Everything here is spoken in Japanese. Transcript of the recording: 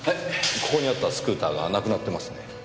ここにあったスクーターがなくなってますね。